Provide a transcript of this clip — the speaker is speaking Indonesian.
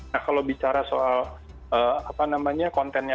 nah kalau bicara soal apa namanya kontennya